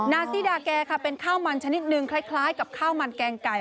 ซี่ดาแกค่ะเป็นข้าวมันชนิดนึงคล้ายกับข้าวมันแกงไก่